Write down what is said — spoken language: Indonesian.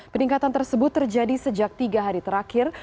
peningkatan tersebut terjadi sejak tiga hari terakhir